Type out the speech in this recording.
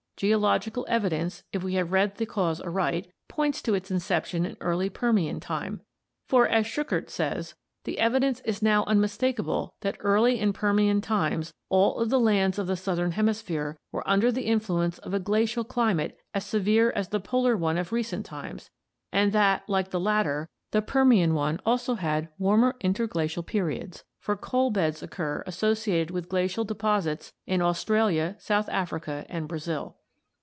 Geological evidence, if we have read the cause aright, points to its inception in early Permian time for, as Schuchert says: "The evidence is now unmistakable that early in Permian times all of the lands of the southern hemisphere were under the influence of a glacial climate as severe as the polar one of recent times, and that, like the latter, the Permian one also had warmer interglacial periods, for coal beds occur associated with glacial deposits in Australia, South Africa, and Brazil."